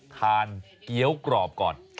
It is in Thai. ทานเกี๊ยวกรอบก่อน